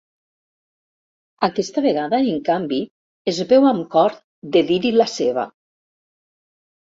Aquesta vegada, en canvi, es veu amb cor de dir-hi la seva.